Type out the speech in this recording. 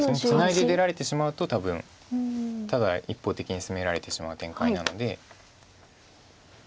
ツナいで出られてしまうと多分ただ一方的に攻められてしまう展開なので。